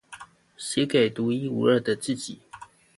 寫給獨一無二的自己